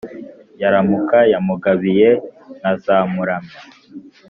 yaramuka yamugabiye nkazamuramya.